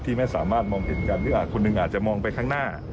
ที่ไม่สามารถมองเห็นกันคนนึงอาจจะมองไปข้างหน้า